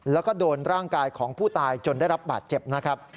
แล้วก็โดนร่างกายของผู้ตายจนได้รับบาดเจ็บนะครับ